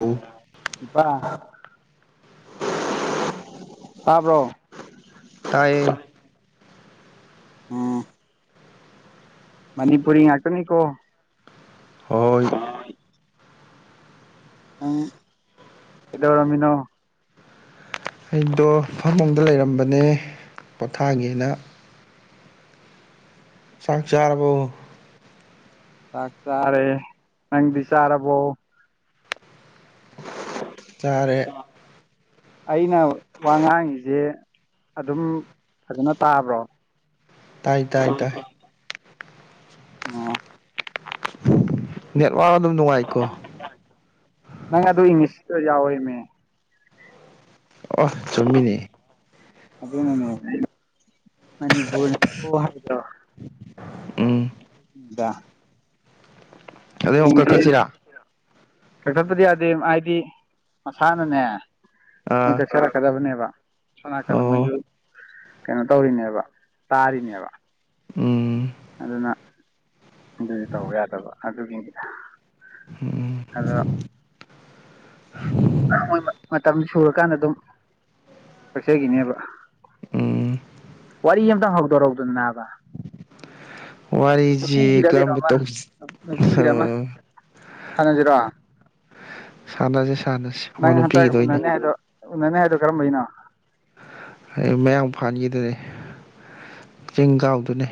ꯑꯣ ꯏꯄꯥ ꯇꯥꯕ꯭ꯔꯣ ꯇꯥꯏꯌꯦ ꯎꯝ ꯃꯅꯤꯄꯨꯔꯤ ꯉꯥꯛꯇꯅꯤꯀꯣ ꯍꯣꯏ ꯎꯝ ꯀꯗꯔꯃꯤꯅꯣ ꯑꯩꯗꯣ ꯐꯥꯃꯨꯡꯗ ꯂꯩꯔꯝꯕꯅꯦ ꯄꯣꯊꯥꯒꯦꯅ ꯆꯪꯆꯔꯕꯨꯣ ꯆꯥꯛ ꯆꯥꯔꯦ ꯅꯪ ꯆꯥꯔꯔꯕꯣ ꯆꯔꯦ ꯑꯩꯅ ꯋꯥ ꯉꯥꯡꯉꯁꯦ ꯑꯗꯨꯝ ꯐꯖꯅ ꯇꯥꯕ꯭ꯔꯣ ꯇꯥꯏ ꯇꯥꯏ ꯇꯥꯏ ꯑꯣ ꯅꯦꯠꯋꯥꯛ ꯑꯗꯨꯝ ꯅꯨꯡꯉꯥꯏꯀꯣ ꯅꯪ ꯑꯗꯨ ꯏꯪꯂꯤꯁꯁꯤꯗ ꯌꯥꯎꯋ ꯏꯅꯦ ꯑ ꯆꯨꯝꯃꯤꯅꯤ ꯑꯗꯨ ꯅꯅꯦꯅꯤ ꯍꯥꯏ ꯎꯝ ꯏꯗ ꯑꯗꯩ ꯑꯃꯨꯛ ꯍꯌꯦꯡꯗꯤ ꯀꯛꯊꯠꯁꯤꯔꯥ ꯀꯛꯊꯠꯄꯗꯤ ꯌꯥꯗꯦ ꯍꯥꯏꯗꯤ ꯃꯁꯥꯅꯅꯦ ꯑꯥ ꯃꯣꯏ ꯀꯛꯆꯔꯛꯀꯗꯕꯅꯦꯕ ꯁꯣꯅꯔꯛꯀꯗ ꯑꯣ ꯃꯣꯏꯁꯨ ꯀꯩꯅꯣ ꯇꯧꯔꯤꯅꯦꯕ ꯇꯥꯔꯤꯅꯦꯕ ꯎꯝ ꯑꯗꯨꯅ ꯑꯗꯨꯗꯤ ꯇꯧꯕ ꯌꯥꯗꯕ ꯑꯗꯨꯒꯤ ꯎꯝ [inaudible] ꯣꯏ ꯃꯇꯝ ꯁꯨꯔꯀꯥꯟꯗ ꯑꯗꯨꯝ ꯀꯛꯆꯈꯤꯅꯦꯕ ꯎꯝ ꯋꯥꯔꯤ ꯑꯃꯝꯇꯪ ꯍꯧꯗꯣꯔꯧꯗꯅ ꯅꯥꯕ ꯋꯥꯔꯤꯁꯤ ꯀꯔꯝꯕ ꯅꯨꯄꯤꯒ꯭ꯔꯗꯦꯔꯃ ꯇꯧꯁꯤ ꯅꯨꯄꯤꯒ꯭ꯔꯃ ꯑꯥ ꯐꯥꯟꯅꯁꯤꯔꯣ ꯁꯥꯟꯅꯁꯤꯦ ꯁꯥꯟꯅꯁꯤ ꯅꯪ ꯍꯟꯇꯛ ꯎꯅꯅꯦ ꯍꯥꯏꯗꯣ ꯎꯅꯅꯤ ꯍꯥꯏꯗꯣ ꯀꯔꯝꯕꯩꯅꯣ ꯑꯩ ꯃꯌꯥꯡ ꯐꯥꯟꯈꯤꯗꯨꯅꯤ ꯆꯤꯡ ꯀꯥꯎꯗꯨꯅꯤ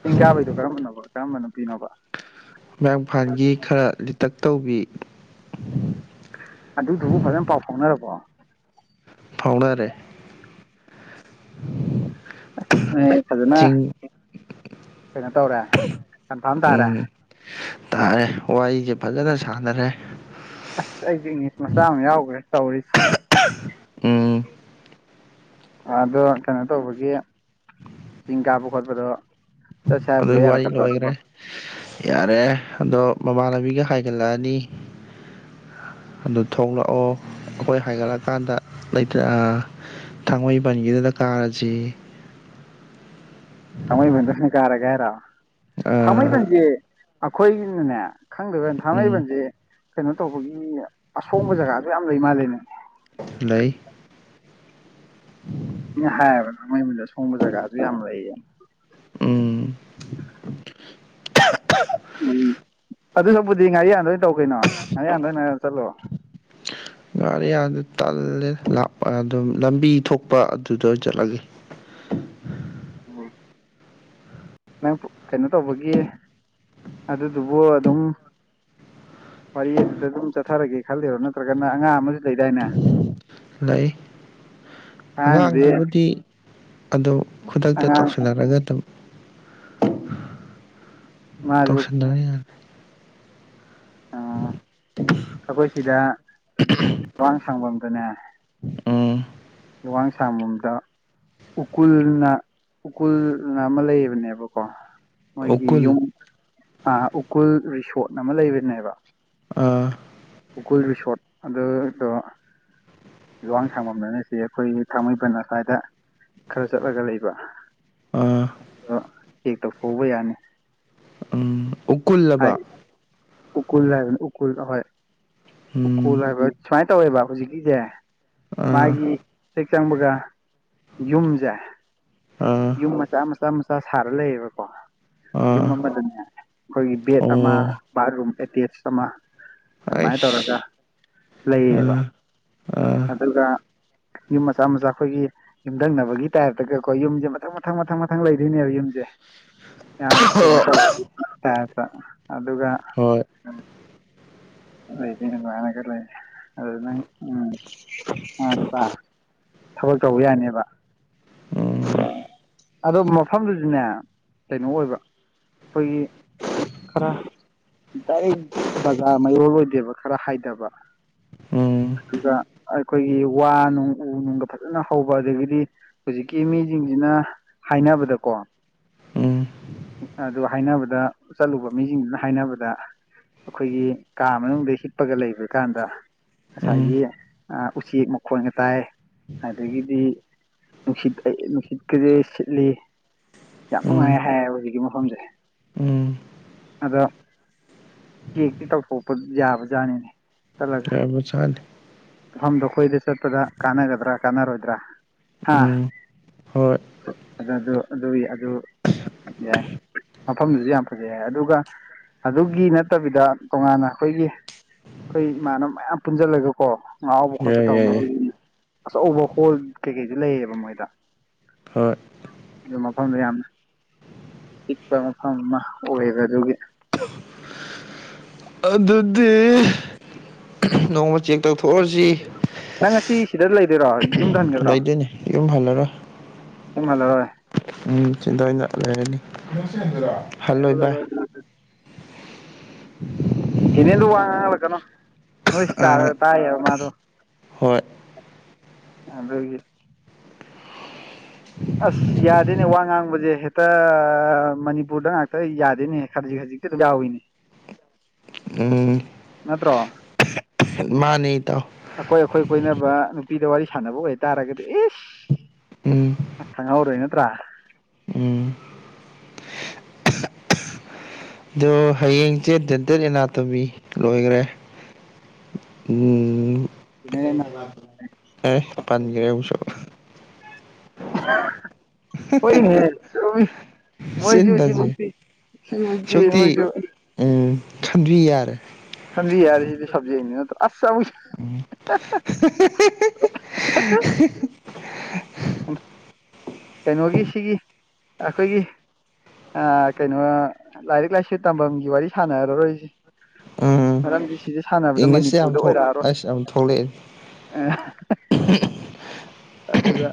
ꯆꯤꯡ ꯀꯥꯕꯩꯗꯣ ꯀꯔꯝꯕꯅꯣ ꯀꯔꯝꯕ ꯅꯨꯄꯤꯅꯣꯕ ꯃꯌꯥꯡꯐꯥꯟꯒꯤ ꯈꯔ ꯂꯤꯇꯛ ꯇꯧꯕꯤ ꯑꯗꯨꯗꯨꯕꯨ ꯐꯖꯅ ꯄꯥꯎ ꯐꯥꯎꯅꯔꯕꯣ ꯐꯥꯎꯅꯥꯔꯦ ꯑꯦ ꯐꯖꯅ ꯀꯩꯅꯣ ꯇꯧꯔꯦ ꯀꯟꯐꯥꯔꯝ ꯇꯥꯔꯦ ꯎꯝ ꯇꯥꯔꯦ ꯋꯥꯔꯤꯁꯦ ꯐꯖꯅ ꯁꯥꯟꯅꯔꯦ ꯑꯁ ꯑꯩꯗꯤ ꯏꯪꯂꯤꯁ ꯃꯆꯥ ꯑꯃ ꯌꯥꯎꯈ꯭ꯔꯦ ꯇꯧꯔꯤꯁꯦ ꯎꯝ ꯑꯗꯣ ꯀꯩꯅꯣ ꯇꯧꯕꯒꯤ ꯆꯤꯡ ꯀꯥꯕ ꯈꯣꯠꯄꯗꯣ ꯆꯠꯁꯦꯕ ꯑꯗꯨꯏ [unintelligible] ꯋꯥꯔꯤ ꯂꯣꯏꯈ꯭ꯔꯦ ꯌꯥꯔꯗꯣ ꯌꯥꯔꯦ ꯑꯗꯣ ꯃꯃꯥꯟꯅꯕꯤꯒ ꯍꯥꯏꯒꯠꯂꯛꯑꯅꯤ ꯑꯗꯨ ꯊꯣꯛꯂꯛꯑꯣ ꯑꯩꯈꯣꯏ ꯍꯥꯏꯒꯠꯂꯛꯀꯥꯟꯗ ꯂꯩꯇ ꯊꯥꯡꯃꯩꯕꯟꯒꯤꯗꯨꯗ ꯀꯥꯔꯁꯤ ꯊꯥꯡꯃꯩꯕꯟꯗ ꯁꯨꯝ ꯀꯥꯔꯒꯦ ꯍꯥꯏꯔꯑꯣ ꯑꯥ ꯊꯥꯡꯃꯩꯕꯟꯁꯦ ꯑꯩꯈꯣꯏꯒꯤꯅꯅꯦ ꯈꯪꯗꯕ ꯎꯝ ꯊꯥꯡꯃꯩꯕꯟꯁꯦ ꯀꯩꯅꯣ ꯇꯧꯕꯒꯤ ꯑꯁꯣꯡꯕ ꯖꯒꯥꯖꯨ ꯌꯥꯝ ꯂꯩ ꯃꯥꯜꯂꯅꯦ ꯂꯩ ꯍꯥꯏꯌꯦꯕ ꯅꯪ ꯃꯗ ꯁꯣꯡꯕ ꯖꯒꯥꯁꯨ ꯌꯥꯝ ꯂꯩꯌꯦ ꯎꯝ [unintelligible] ꯑꯗꯨꯁꯨꯕꯨꯗꯤ ꯉꯥꯔꯤꯌꯥꯟꯗꯣꯏꯅ ꯇꯧ ꯀꯩꯅꯣ ꯉꯥꯔꯤ ꯌꯥꯟꯗꯣꯏꯅ ꯑꯣꯏꯅ ꯆꯠꯂꯣ ꯉꯔꯤꯌꯥꯟꯗꯣ ꯇꯜꯂꯦꯄ ꯑꯗꯨꯝ ꯂꯝꯕꯤ ꯊꯣꯛꯄ ꯑꯗꯨꯗ ꯑꯣꯏꯅ ꯆꯠꯂꯒꯦ [unintelligible] ꯅꯪ ꯀꯩꯅꯣ ꯇꯧꯕꯒꯤ ꯑꯗꯨꯗꯨꯕꯨ ꯑꯗꯨꯝ ꯋꯥꯔꯤ ꯑꯗꯨꯗ ꯑꯗꯨꯝ ꯆꯠꯊꯔꯒꯦ ꯈꯜꯂꯤꯔꯣ ꯅꯠꯇ꯭ꯔꯒꯅ ꯑꯉꯥꯡ ꯑꯃꯁꯨ ꯂꯩꯗꯥꯏꯅꯦ ꯂꯩ ꯑꯉꯥꯡꯗꯨꯗꯤ ꯑꯉꯥꯡꯗꯨꯕꯨꯗꯤ ꯑꯗꯨ ꯈꯨꯗꯛꯇ ꯑꯉꯥꯡ ꯇꯧꯁꯤꯟꯅꯔꯒ ꯑꯗꯨꯝ ꯃꯥꯁꯨ ꯇꯧꯁꯟꯅꯔꯥ ꯑꯩꯈꯣꯏ ꯁꯤꯗ ꯂꯋꯥꯡ ꯁꯪꯐꯝꯗꯨꯅꯦ ꯎꯝ ꯂꯨꯋꯥꯡ ꯁꯥꯥꯡꯃꯝꯗ ꯎꯀꯨꯜꯅ ꯎꯀꯨꯜꯅ ꯑꯃ ꯂꯩꯌꯦꯕꯅꯦꯕꯀꯣ ꯃꯣꯏꯒꯤ ꯎꯀꯨꯜ ꯌꯨꯝ ꯎꯀꯨꯜ ꯔꯤꯁꯣꯠ ꯑꯃ ꯂꯩꯕꯅꯦꯕ ꯑꯥ ꯎꯀꯨꯜ ꯔꯤꯁꯣꯔꯠ ꯑꯗꯨꯗꯣ ꯌꯨꯋꯥꯡ ꯁꯥꯡꯃꯝꯅ ꯑꯩꯈꯣꯏꯒꯤ ꯊꯥꯡꯃꯩꯕꯟ ꯑꯁ꯭ꯋꯥꯏꯗ ꯈꯔ ꯆꯠꯂꯒ ꯂꯩꯕ ꯑꯥ [unintelligible] ꯈꯨꯕ ꯌꯥꯅꯤ ꯎꯝ ꯎꯀꯨꯜꯂꯕ ꯍꯥꯏ ꯎꯀꯨꯜ ꯎꯀꯨꯜ ꯍꯣꯏ ꯎꯀꯣꯜ ꯎꯝ ꯍꯥꯏꯕ ꯁꯨꯃꯥꯏꯅ ꯇꯧꯋꯦꯕ ꯍꯧꯖꯤꯛꯀꯤꯁꯦ ꯑꯥ ꯃꯥꯒꯤ ꯍꯦꯛ ꯆꯪꯕꯒ ꯌꯨꯝꯁꯦ ꯑꯥ ꯌꯨꯝ ꯃꯆꯥ ꯃꯆꯥ ꯃꯆꯥ ꯁꯥꯔ ꯂꯩꯌꯦꯕꯀꯣ ꯑꯥ ꯌꯨꯝ ꯑꯃꯗꯅꯦ ꯑꯩꯈꯣꯏꯒꯤ ꯕꯦꯗ ꯑꯃ ꯑꯣ ꯕꯥꯠꯔꯨꯝ ꯑꯦꯇꯦꯁ ꯑꯃ ꯑꯗꯨꯃꯥꯏꯅ ꯇꯧꯔꯒ ꯑꯩꯁ ꯂꯩꯌꯦꯕ ꯑꯥ ꯑꯗꯨꯒ ꯌꯨꯝ ꯃꯆꯥ ꯃꯆꯥ ꯈꯣꯏꯒꯤ ꯌꯨꯝꯊꯪꯅꯕꯒꯤ ꯇꯥꯏꯞꯇꯒꯀꯣ ꯌꯨꯝꯁꯦ ꯃꯊꯪ ꯃꯊꯪ ꯃꯊꯪ ꯃꯊꯪ ꯂꯩꯗꯣꯏꯅꯦꯕ ꯌꯨꯝꯁꯦ ꯌꯥꯝ ꯀꯩꯅꯣ ꯑꯥ ꯇꯧꯕꯒꯤ ꯇꯥꯏꯞꯇꯥ ꯑꯗꯨꯒ ꯍꯣꯏ [unintelligible] [unintelligible] ꯎꯝ ꯊꯕꯛ ꯇꯧꯕ ꯌꯥꯅꯦꯕ ꯎꯝ ꯑꯗꯣ ꯃꯐꯝꯗꯨꯁꯨꯅꯦ ꯀꯩꯅꯣ ꯑꯣꯏꯕ ꯈꯣꯏꯒꯤ ꯈꯔ ꯗꯥꯏꯔꯦꯛ ꯕꯖꯥꯔ ꯃꯌꯣꯜ ꯑꯣꯏꯗꯦꯕ ꯈꯔ ꯍꯥꯏꯗꯕ ꯎꯝ ꯑꯗꯨꯒ ꯑꯩꯈꯣꯏꯒꯤ ꯋꯥ ꯅ‌ꯣꯡ ꯎ ꯅ‌ꯣꯡꯒ ꯐꯖꯅ ꯍꯧꯕ ꯑꯗꯒꯤꯗꯤ ꯍꯧꯖꯤꯛꯀꯤ ꯃꯤꯁꯤꯡꯁꯤꯅ ꯍꯥꯏꯅꯕꯗꯀꯣ ꯎꯝ ꯑꯗꯨ ꯍꯥꯏꯅꯕꯗ ꯆꯠꯂꯨꯕ ꯃꯤꯁꯤꯡꯗꯨꯅ ꯍꯥꯏꯅꯕꯗ ꯑꯩꯈꯣꯏꯒꯤ ꯀꯥ ꯃꯅꯨꯡꯗ ꯍꯤꯞꯄꯒ ꯂꯩꯕꯥ ꯀꯥꯟꯗ ꯎꯝ ꯉꯁꯥꯏꯒꯤ ꯎꯆꯦꯛ ꯃꯈꯣꯟꯒ ꯇꯥꯏ ꯫ ꯑꯗꯒꯤꯗꯤ ꯅꯨꯡꯁꯤꯠ ꯑꯩ ꯅꯨꯡꯁꯤꯠꯀꯖ‌ꯦ ꯁꯤꯠꯂꯤ ꯫ ꯌꯥꯝ ꯎꯝ ꯅꯨꯡꯉꯥꯏꯌꯦ ꯍꯥꯏꯌꯦꯕ ꯍꯧꯖꯤꯛꯀꯤ ꯃꯐꯝꯁꯦ ꯫ ꯎꯝ ꯑꯗ‌ꯣ ꯆꯦꯛꯇꯤ ꯇꯧꯊꯣꯛꯄ ꯌꯥꯕ ꯖꯥꯠꯅꯤꯅꯦ ꯫ ꯌꯥꯕꯖꯥꯠꯅ‌ꯦ ꯃꯐꯝꯗꯣ ꯑꯩꯈꯣꯏꯗ ꯆꯠꯄꯗ ꯀꯥꯟꯅꯒꯗ꯭ꯔꯥ ꯀꯥꯟꯅꯔꯣꯏꯗ꯭ꯔꯥ ꯍꯥ? ꯍ‌ꯣꯏ ꯑ ꯑꯗꯨ ꯑꯗꯨ ꯑꯗꯨ ꯌꯥꯏ ꯃꯐꯝꯗꯨꯗꯤ ꯌꯥꯝ ꯐꯖꯩ ꯍꯥꯏ ꯑꯗꯨꯒ ꯑꯗꯨꯒꯤ ꯅꯠꯇꯕꯤꯗ ꯇꯣꯉꯥꯟꯅ ꯑꯩꯈꯣꯏꯒꯤ ꯈꯣꯏ ꯏꯃꯥꯟꯅꯕ ꯃꯌꯥꯝ ꯄꯨꯟꯁꯤꯜꯂꯒ ꯀꯣ ꯉꯥꯎꯕ ꯈꯣꯠꯄ ꯌꯥꯏ ꯌꯥꯏ ꯌꯥꯏ ꯇꯧꯅꯕꯒꯤꯅꯤ ꯫ ꯑꯆꯧꯕ ꯍꯣꯜ ꯀꯩꯀꯩꯗꯤ ꯂꯩꯌꯦꯕ ꯃꯣꯏꯗ ꯫ ꯍꯣꯏ ꯑꯗꯨ ꯃꯐꯝꯗꯨ ꯌꯥꯝ ꯆꯤꯛꯄ ꯃꯐꯝ ꯑꯃ ꯑꯣꯏꯕ ꯑꯗꯨꯒꯤ ꯫ ꯑꯗꯨꯗꯤ ꯅꯣꯡꯃ ꯆꯦꯛ ꯇꯧꯊꯣꯛꯑꯁꯤ ꯫ ꯅꯪ ꯉꯁꯤ ꯁꯤꯗ ꯂꯩꯗ‌ꯣꯏꯔꯣ? ꯂ‌ꯩꯗ‌ꯣꯏꯅ‌ꯦ ꯌꯨꯝ ꯍꯜꯂꯔ‌ꯣꯏ ꯫ ꯌꯨꯝ ꯍꯜꯂꯔ‌ꯣꯏ ꯎꯝ ꯁꯤꯗ ꯑꯣꯏꯅ ꯂꯩꯔꯅꯤ ꯫ ꯂꯩꯔ‌ꯣ ꯂꯩꯔ‌ꯣ [unintelligible] [unintelligible] ꯗꯨ ꯋꯥ ꯉꯥꯡꯍꯜꯂꯛꯀꯅꯣ ꯅꯣꯏ ꯑꯥ [unintelligible] ꯇꯥꯏꯌꯦꯕ ꯃꯥꯗꯣ ꯫ ꯍꯣꯏ ꯑꯗꯨꯒꯤ ꯑꯁ ꯌꯥꯗꯦꯅꯦ ꯋꯥ ꯉꯥꯡꯕꯁꯦ ꯍꯦꯛꯇ ꯃꯅꯤꯄꯨꯔꯗ ꯉꯥꯛꯇ ꯌꯥꯗꯦꯅꯦ ꯈꯖꯤꯛ ꯈꯖꯤꯛ ꯫ [unintelligible] ꯌꯥꯎꯏꯅꯦ ꯅꯠꯇ꯭ꯔꯣ? ꯃꯥꯅꯦ‌ ꯏꯇꯥꯎ ꯫ ꯑꯩꯈꯣꯏ ꯑꯩꯈꯣꯏ ꯀꯣꯏꯅꯕ ꯅꯨꯄꯤꯗ ꯋꯥꯔꯤ ꯁꯥꯟꯅꯕ ꯑꯣꯏꯇꯥꯔꯒꯗꯤ ꯏꯁ ꯫ ꯎꯝ ꯈꯪꯍꯧꯔ‌ꯣꯏ ꯅꯇ꯭ꯔꯥ? ꯎꯝ ꯑꯗꯣ ꯍꯌꯦꯡꯁꯦ ꯗꯦꯟꯇꯦꯜ ꯑꯦꯅꯥꯇꯣꯃꯤ ꯂꯣꯏꯈꯔꯦ ꯫ ꯎꯝ ꯗꯦꯟꯇꯦꯜ ꯑꯦꯅꯥꯇꯣꯃꯤ [inaudible] ꯑꯦ ꯄꯥꯟꯒ꯭ꯔ‌ꯦ ꯑꯃꯨꯛꯁꯨ ꯫ ꯍꯣꯏꯅꯦꯍ‌ꯦ ꯆꯨꯝꯃꯤ ꯫ ꯃ‌ꯣꯏꯁꯨ ꯆꯤꯟꯅꯁꯦ ꯁꯤꯃꯛꯇꯤ ꯁꯤꯃꯛꯇꯤ ꯁꯨꯛꯇꯤ ꯃꯣꯏꯁꯨ ꯎꯝ ꯈꯟꯕꯤ ꯌꯥꯔ‌ꯦ ꯫ ꯈꯟꯕꯤ ꯌꯥꯔ‌ꯦ ꯁꯤꯗꯤ ꯁꯕꯖ‍ꯦꯛꯅꯤ ꯅꯠꯇ‍꯭ꯔ‌ꯣ? ꯑꯁ ꯑꯃꯨꯛꯁꯨ [unintelligible] [unintelligible] ꯀꯩꯅꯣꯒꯤ ꯁꯤꯒꯤ ꯑꯩꯈꯣꯏꯒꯤ ꯑ ꯀꯩꯅꯣ ꯂꯥꯏꯔꯤꯛ ꯂꯥꯏꯁꯨ ꯇꯝꯐꯝꯒꯤ ꯋꯥꯔꯤ ꯁꯥꯟꯅꯔꯔꯣꯏꯁꯤ ꯫ ꯎꯝ ꯃꯔꯝꯗꯤ ꯁꯤꯗ ꯁꯥꯟꯅꯕꯗ ꯏꯪꯂꯤꯁꯁꯦ ꯃꯅꯤꯄꯨꯔꯗ ꯌꯥꯝ ꯊꯣꯛ ꯑꯣꯏꯔꯛꯑꯔꯣꯏ ꯑꯁ ꯌꯥꯝ ꯊꯣꯛꯂꯛꯑꯦ ꯫ ꯑꯗꯨꯗ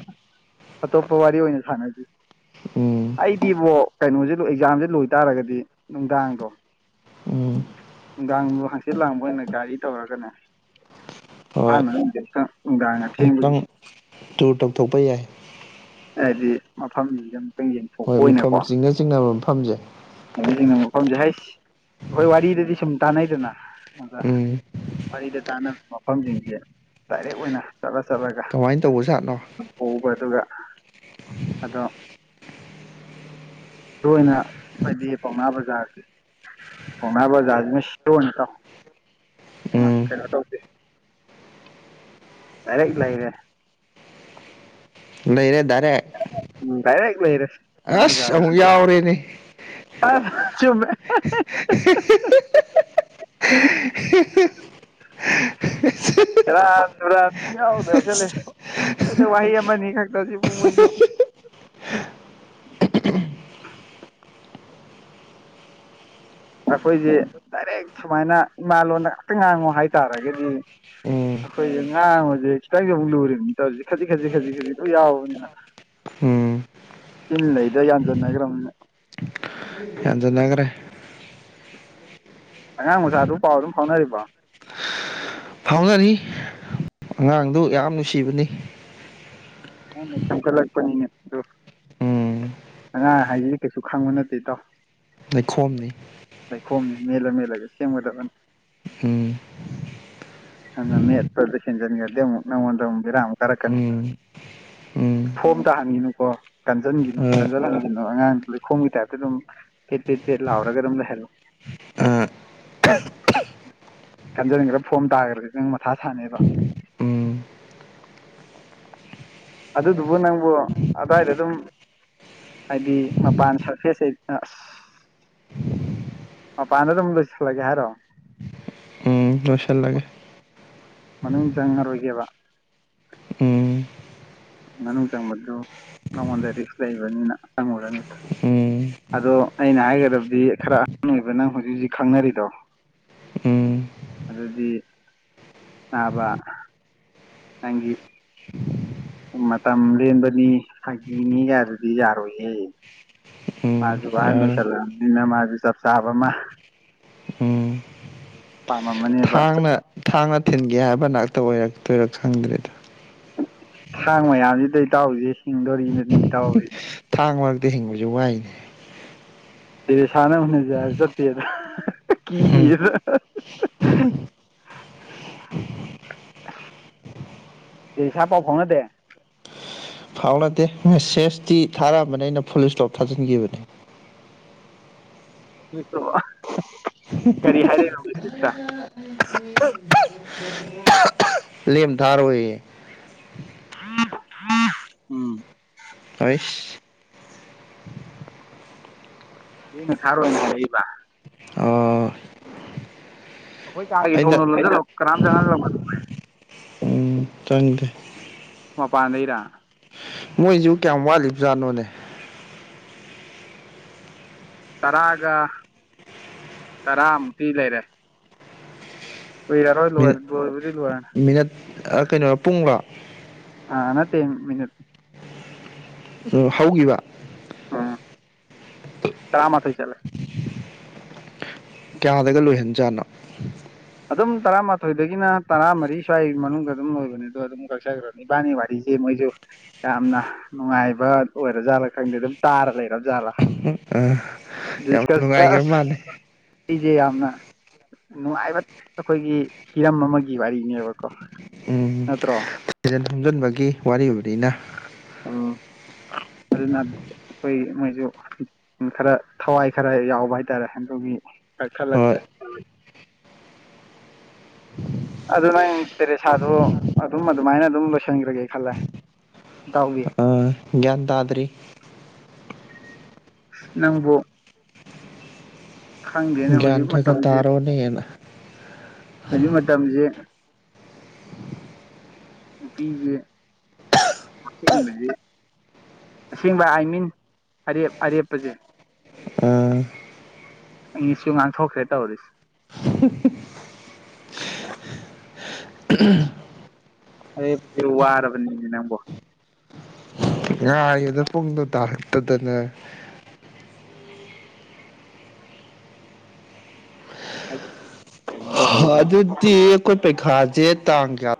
ꯑꯇꯣꯞꯄ ꯋꯥꯔꯤ ꯑꯣꯏꯅ ꯁꯥꯟꯅꯁꯤ ꯫ ꯎꯝ ꯑꯩꯗꯤꯕꯣ ꯀꯩꯅꯣꯁꯦ ꯑꯦꯛꯖꯥꯝꯁꯦ ꯂꯣꯏꯇꯥꯥꯔꯒꯗꯤ ꯅꯨꯡꯗꯥꯡꯗꯣ ꯎꯝ ꯅꯨꯡꯗꯥꯡꯗꯣ ꯍꯥꯛꯆꯤꯠ ꯂꯥꯡꯕ ꯑꯣꯏꯅ ꯒꯥꯔꯤ ꯇꯧꯔꯒꯅꯦ ꯏꯝꯐꯥꯜ ꯃꯅꯨꯡꯁ‌ꯦ ꯑꯃꯨꯛꯇꯪ ꯅꯨꯡꯗꯥꯡ ꯉꯨꯍꯥꯛꯇꯪ ꯑꯊꯦꯡꯕꯒꯤ ꯇꯨꯔ ꯇꯧꯊꯣꯛꯄ ꯌꯥꯏ ꯍꯥꯏꯗꯤ ꯃꯐꯝ ꯌꯝ ꯍꯣꯏ ꯃꯐꯝ ꯆꯤꯡꯅ ꯆꯤꯡꯅꯕ ꯃꯐꯝꯁꯦ ꯑꯁꯤꯡꯅ ꯃꯐꯝꯁꯦ ꯍꯁ ꯑꯩꯈꯣꯏ ꯋꯥꯔꯤꯗꯗꯤ ꯁꯨꯝ ꯇꯥꯟꯅꯩꯗꯅ ꯑꯗ ꯎꯝ ꯋꯥꯔꯤꯗ ꯇꯥꯟꯅꯕ ꯃꯐꯝꯁꯤꯡꯁꯦ ꯗꯥꯏꯔꯦꯛ ꯑꯣꯏꯅ ꯆꯠꯂ ꯆꯠꯂꯒ ꯀꯃꯥꯏꯅ ꯇꯧꯕ ꯁꯥꯠꯅꯣ ꯍꯕ ꯑꯗꯨꯒ ꯑꯗꯣ ꯃꯔ ꯑꯣꯏꯅ ꯍꯥꯏꯗꯤ ꯄꯥꯎꯅꯥ ꯕꯖꯥꯔꯒꯤ ꯍꯅꯥꯕꯖ ꯑꯥꯖꯃꯦꯅꯤ ꯇ ꯎꯝ ꯀꯩꯅꯩꯅ ꯇꯧ ꯍꯔ ꯂꯩꯔꯦ ꯏꯔꯦꯗꯔꯦ ꯎ ꯇꯩꯔꯂ ꯏꯔꯦ ꯅꯖꯔ ꯑꯃꯨꯛ ꯌꯥꯎꯔꯦꯅꯦ ꯑ ꯆꯨꯕ ꯍ ꯑ ꯥꯟ ꯔꯥꯟ ꯌꯥꯎꯗ ꯌꯥꯎꯁꯜꯂꯦ ꯅꯣꯏꯗ ꯋꯥꯍꯩ ꯑꯃꯅꯤ ꯈꯛꯇꯁꯤꯕꯨꯡ ꯃꯣꯏꯁꯨ ꯑꯩꯈꯣꯏꯁꯦ ꯗꯥꯏꯔꯦꯛ ꯁꯨꯃꯥꯏꯅ ꯏꯃꯥꯂꯣꯟꯗ ꯈꯛꯇ ꯉꯥꯡꯉꯨ ꯍꯥꯏꯇꯥꯔꯒꯗꯤ ꯎꯝ ꯑꯩꯈꯣꯏꯁꯦ ꯉꯥꯡꯉꯕꯁꯦ ꯈꯤꯇꯪꯁꯨ ꯑꯃꯨꯛ ꯂꯨꯔꯤꯕꯅꯤ ꯇꯧꯔꯤꯁꯦ ꯈꯖꯤꯛ ꯈꯖꯤꯛ ꯈꯖꯤꯛ ꯈꯖꯤꯛ ꯂ ꯌꯥꯎꯕꯅꯤꯅ ꯎꯝ ꯏꯤꯟ ꯂꯩꯗ ꯌꯥꯟ ꯆꯟꯅꯈ꯭ꯔꯕꯅꯦ ꯌꯥꯟꯖꯅꯒ꯭ꯔꯦ ꯑꯉꯥꯡ ꯃꯆꯥꯗꯨ ꯄꯥꯎ ꯑꯗꯨꯝ ꯐꯥꯎꯅꯔꯤꯕ ꯐꯥꯎꯅꯔꯤ ꯑꯉꯥꯡꯗꯨ ꯌꯥꯝ ꯅꯨꯡꯁꯤꯕꯅꯤ ꯑ ꯆꯪꯀꯔ ꯂꯄꯅꯤꯅꯦ ꯎꯝ ꯑꯉꯥꯡ ꯍꯥꯏꯁꯤꯁꯦ ꯀꯩꯁꯨ ꯈꯪꯕ ꯅꯠꯇꯦ ꯇꯣ ꯂꯩꯈꯣꯝꯅꯤ ꯂꯩꯈꯣꯝꯅꯤ ꯃꯦꯜꯂ ꯃꯦꯜꯂꯒ ꯁꯦꯝꯒꯗꯕꯅꯤ ꯎꯝ ꯃꯃꯦ ꯄ꯭ꯔꯗꯁꯟ ꯆꯒꯗꯦ ꯅꯃꯣꯟꯗꯕꯤꯔꯥꯝ ꯀꯔꯛ ꯀꯅꯤ ꯎꯝ ꯐꯣꯝ ꯇꯥꯍꯟꯈꯤꯅꯨꯀꯣ ꯀꯟꯁꯤꯟꯈꯤꯅꯨ ꯀꯟꯖꯟꯍꯟꯈꯤꯅꯣ ꯑꯉꯥꯡꯗꯨ ꯂꯩꯈꯣꯝꯒꯤ ꯇꯥꯏꯞꯇ ꯑꯗꯨꯝ ꯀꯠꯇꯦꯠꯂꯥꯎꯔꯒꯔꯝꯗ ꯍꯦꯜꯣ ꯈꯟꯖꯅꯤꯡꯈ꯭ꯔꯥ ꯐꯣꯝ ꯇꯥꯈ꯭ꯔꯗꯤ ꯅꯪ ꯃꯊꯥ ꯁꯥꯟꯅꯩꯑꯕ ꯑꯗꯨꯗꯨꯕꯨ ꯅꯪꯕꯨꯣ ꯑꯥꯏꯗꯤ ꯑꯗꯨꯝ ꯍꯥꯏꯗꯤ ꯃꯄꯥꯟ ꯁꯔꯐꯦꯁ ꯑꯣ ꯄꯥꯟꯗ ꯃ ꯂ ꯏꯁꯆꯥ ꯂꯒꯦ ꯍꯥꯏꯔ ꯂꯁꯦꯜ ꯂꯒꯦ ꯃꯅꯨꯡ ꯆꯪꯉꯔꯣꯏꯒꯦꯕ ꯎꯝ ꯃꯅꯨꯡ ꯆꯪꯕꯗꯨ ꯅꯉꯣꯟꯗ ꯔꯤꯛꯁ ꯂꯩꯕꯅꯤꯅ ꯆꯪꯉꯨꯔꯅꯤ ꯎꯝ ꯑꯗꯣ ꯑꯩꯅ ꯍꯥꯏꯒꯗꯕꯗꯤ ꯈꯔ ꯑꯍꯥꯡ ꯑꯣꯏꯕ ꯅꯪ ꯍꯧꯖꯤꯛ ꯍꯧꯖꯤꯛ ꯈꯪꯅꯔꯤꯗꯣ ꯎꯝ ꯑꯗꯨꯗꯤ ꯑꯅꯥꯕ ꯅꯪꯒꯤ ꯃꯇꯝ ꯂꯦꯟꯕꯅꯤ ꯐꯥꯒꯤꯅꯤꯒꯗꯨꯗꯤ ꯌꯥꯔꯣꯏꯌꯦꯦ ꯃꯥꯁꯨ ꯚꯍꯟ ꯌꯥꯔꯣꯏ ꯂꯣꯏꯁꯜꯂꯛꯑꯅꯤꯅ ꯃꯥꯁꯨ ꯆꯞ ꯆꯥꯕ ꯑꯃ ꯎꯝ ꯄꯥꯝꯃꯝꯃꯅꯦꯕ ꯊꯥꯡꯅ ꯊꯥꯡꯅ ꯊꯤꯟꯒꯦ ꯍꯥꯏꯕ ꯅꯥꯛꯇ ꯑꯣꯏꯔꯛꯇꯣꯏꯔ ꯈꯪꯗ꯭ꯔꯦꯗ ꯊꯥꯡ ꯃꯌꯥꯝꯁꯤ ꯇꯩꯇꯥꯎꯁꯦ ꯍꯤꯡꯗꯣꯔꯤꯕꯅꯤ ꯏꯇꯥꯎꯁꯦ ꯊꯥꯡ ꯃꯔꯛꯇ ꯍꯤꯡꯕꯁꯨ ꯋꯥꯏꯅꯦ ꯇꯔ ꯁꯥꯟꯅꯅꯁꯦ ꯆꯠꯇꯦꯗ ꯎꯝ ꯀꯤꯗ ꯑꯦ ꯏꯁꯥ ꯄꯥꯎ ꯐꯥꯎꯅ ꯗꯦ ꯐꯥꯎ ꯅꯠꯇꯦ ꯃꯦꯁꯦꯁꯇꯤ ꯊꯥꯔꯛꯑꯕꯅꯤ ꯑꯩꯅ ꯄꯨꯂꯤꯁ ꯏꯁꯇꯣꯞ ꯊꯥꯖꯤꯟꯈꯤꯕꯅꯦ ꯃꯤ ꯀꯔꯤ ꯍꯥꯏꯔꯤꯅꯣꯁꯛꯇ [inaudible] [inaudible] ꯂꯦꯝꯊꯥꯔꯣꯏꯌꯦ ꯎꯝ ꯇꯩꯁ ꯃ ꯊꯥꯔꯣꯏ ꯏꯕ ꯑꯣ ꯑꯩꯈꯣꯏ ꯀꯥꯒꯤ ꯊꯧꯅꯣꯣꯏ ꯀꯅꯥꯝ ꯆꯪꯍꯟ ꯎꯝ ꯊꯪꯗꯦ ꯃꯄꯥꯟꯗꯔ ꯃꯣꯏꯁꯨ ꯀꯌꯥꯝ ꯋꯥꯠꯂꯤꯕꯖꯥꯠꯅꯣꯅꯦ ꯇꯔꯥꯒ ꯇꯔꯥꯃꯨꯛꯇꯤ ꯂꯩꯔꯦ ꯑꯣꯏꯣꯏꯔ ꯑꯔꯣꯏ ꯂ ꯃꯤꯅꯠ ꯑꯣꯏꯔ ꯂꯅ ꯃꯤꯅꯠ ꯀꯩꯅꯣ ꯄꯨꯡꯕ ꯑ ꯅꯠꯇꯦ ꯃꯤꯅꯦ ꯍꯧꯈꯤꯕ ꯎꯝ ꯇꯥꯃꯊꯣꯏ ꯆꯂꯦ ꯀꯌꯥꯗꯒ ꯂꯣꯏꯍꯟꯖꯥꯠꯅꯣ ꯑꯗꯨꯝ ꯇꯔꯥꯃꯥꯊꯣꯏꯗꯒꯤꯅ ꯇꯔꯥꯃꯔꯤ ꯁ꯭ꯋꯥꯏ ꯃꯅꯨꯡꯗ ꯑꯗꯨꯝ ꯑꯣꯏꯕꯅꯦ ꯑꯗꯣ ꯑꯗꯨꯝ ꯏꯕꯥꯅꯤ ꯋꯥꯔꯤ ꯋꯥꯔꯤꯁꯤꯦ ꯃꯣꯏꯁꯨ ꯌꯥꯝꯅ ꯅꯨꯡꯉꯥꯏꯕ ꯑꯣꯏꯔꯖꯥꯠꯂꯥ ꯈꯪꯗꯦ ꯑꯗꯨꯝ ꯇꯥꯔ ꯂꯩꯔꯕ ꯖꯥꯠꯂꯥ ꯑ ꯌꯥꯝ ꯅꯨꯡꯉꯥꯏꯈ ꯃꯥꯜꯂꯦ ꯑꯩꯁꯦ ꯌꯥꯝꯅ ꯅꯨꯡꯉꯥꯏꯕ ꯑꯩꯈꯣꯏꯒꯤ ꯍꯤꯔꯝ ꯑꯃꯒꯤ ꯋꯥꯔꯤꯅꯦꯕꯀꯣ ꯅꯠꯇ꯭ꯔꯣ ꯊꯤꯖꯤꯟ ꯈꯣꯝꯖꯤꯟꯕꯒꯤ ꯋꯥꯔꯤ ꯑꯣꯏꯕꯅꯤꯅ ꯑꯣ ꯑꯗꯨꯅ ꯑꯩꯈꯣꯏ ꯃꯣꯏꯁꯨ ꯈꯔ ꯊꯋꯥꯏ ꯈꯔ ꯌꯥꯎꯕ ꯍꯥꯏꯇꯥꯔꯦ ꯑꯗꯨꯒꯤ ꯈ ꯈꯔ ꯍꯣꯏ ꯂꯥꯛꯛꯇꯦ ꯑꯗꯨ ꯅꯪ ꯇꯦꯔꯦꯁꯥꯗꯣ ꯑꯗꯨꯝ ꯑꯗꯨꯃꯥꯏꯅ ꯑꯗꯨꯝ ꯂꯣꯏꯁꯤꯟꯈ꯭ꯔꯒꯦ ꯈꯜꯂꯦꯇꯎꯕꯤ ꯌꯥ꯭ꯟꯗꯥꯗꯔꯤ ꯅꯪꯕꯨ ꯈꯪꯗꯦꯅꯦ ꯟ ꯍꯧꯖꯤꯛ ꯊꯒ ꯃꯇꯝꯁꯦ ꯇꯥꯔꯣꯅꯤꯅ ꯍꯧꯖꯤꯛ ꯃꯇꯝꯁꯦ ꯎ ꯄꯤꯁꯦ ꯑꯁꯦꯡꯕꯕꯁꯤ ꯑꯁꯦꯡꯕ ꯑꯥꯏ ꯃꯤꯟ ꯑꯔꯦꯞ ꯑꯔꯦꯞꯄꯁꯦ ꯑ ꯑꯩꯁꯨ ꯉꯥꯡꯊꯣꯛꯈ꯭ꯔꯦ ꯇꯧꯔꯤꯁꯦ ꯑꯩꯕꯨꯗꯤ ꯋꯥꯔꯕꯅꯤꯅꯦ ꯅꯪꯕꯨ ꯉꯥꯏꯌꯦꯨꯗ ꯄꯨꯡꯗꯣ ꯇꯥꯔꯛꯇꯗꯅ ꯍꯥꯏ ꯊꯦꯡ ꯑꯗꯨꯗꯤ ꯑꯩꯈꯣꯏ ꯄꯔꯤꯈꯥꯁꯦ ꯇꯥꯡ ꯀꯌꯥ